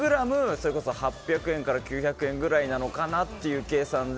それこそ８００円から９００円くらいなのかなという計算で。